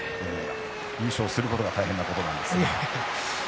優勝することが大変なことなんですが。